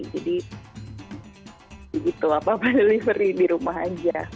jadi begitu apa apa delivery di rumah aja